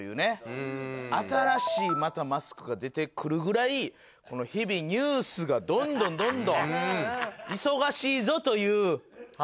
新しいまたマスクが出てくるぐらい日々ニュースがどんどんどんどん忙しいぞという川柳ですね。